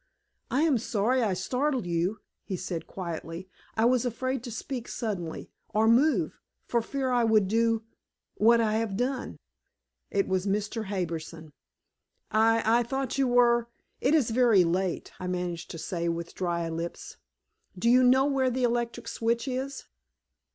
"I am sorry I startled you," he said quietly. "I was afraid to speak suddenly, or move, for fear I would do what I have done." It was Mr. Harbison. "I I thought you were it is very late," I managed to say, with dry lips. "Do you know where the electric switch is?"